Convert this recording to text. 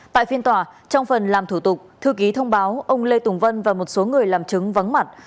tại phiên tòa trong phần làm thủ tục thư ký thông báo ông lê tùng vân và một số người làm chứng vắng mặt